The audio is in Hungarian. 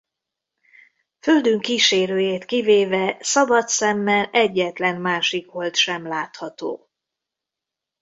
Földünk kísérőjét kivéve szabad szemmel egyetlen másik hold sem látható.